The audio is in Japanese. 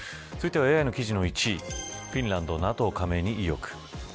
ＡＩの記事の１位フィンランドＮＡＴＯ加盟に意欲。